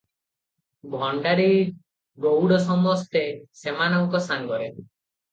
ଭଣ୍ତାରୀ ଗଉଡ଼ ସମସ୍ତେ ସେମାନଙ୍କ ସାଙ୍ଗରେ ।